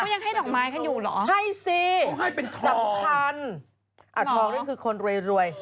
ยังให้ดอกไม้กันอยู่เหรอให้สิสำคัญอ่าทองนั่นคือคนรวยรวย